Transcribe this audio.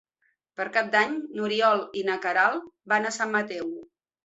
Per Cap d'Any n'Oriol i na Queralt van a Sant Mateu.